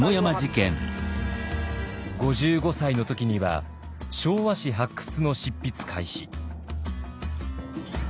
５５歳の時には「昭和史発掘」の執筆開始。